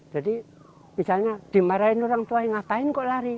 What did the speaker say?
jadi misalnya dimarahin orang tua ngapain kok lari